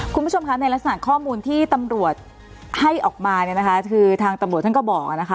คุณผู้ชมคะในลักษณะข้อมูลที่ตำรวจให้ออกมาเนี่ยนะคะคือทางตำรวจท่านก็บอกนะคะ